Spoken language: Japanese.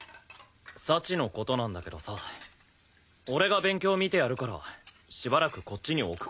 幸の事なんだけどさ俺が勉強見てやるからしばらくこっちに置く事にした。